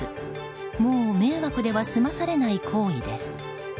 もう迷惑では済まされない行為です。